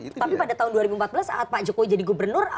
tapi pada tahun dua ribu empat belas saat pak jokowi jadi gubernur